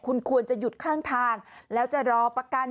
คุณควรจะหยุดข้างทางแล้วจะรอประกัน